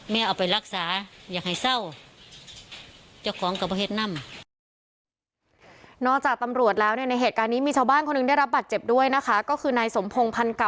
มีชาวบ้านคนหนึ่งได้รับบัตรเจ็บด้วยนะคะก็คือนายสมพงศ์พันกรรม